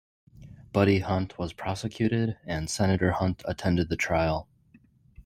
Buddy Hunt was prosecuted, and Senator Hunt attended the trial.